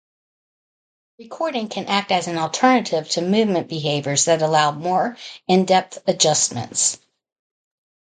Recording can act as an alternative to movement behaviors that allow more in-depth adjustments.